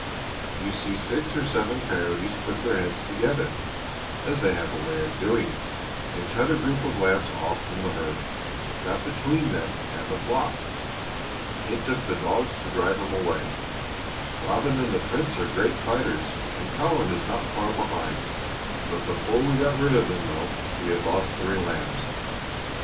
You see six or seven coyotes put their heads together, as they have a way of doing, and cut a group of lambs off from the herd got between them and the flock. It took the dogs to drive 'em away. Robin and the Prince are great fighters, and Colin is not far behind. Before we got rid of them, though, we had lost three lambs.